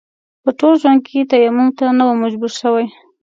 په ټول ژوند کې تيمم ته نه وم مجبور شوی.